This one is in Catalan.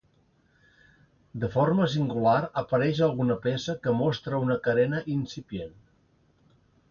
De forma singular apareix alguna peça que mostra una carena incipient.